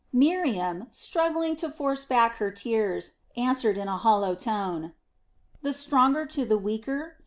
Miriam, struggling to force back her tears, answered in a hollow tone: "The stronger to the weaker!